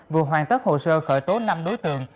vừa hoàn tất hồ sơ khởi tố năm đối tượng